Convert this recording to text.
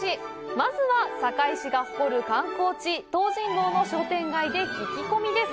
まずは、坂井市が誇る観光地東尋坊の商店街で聞き込みです。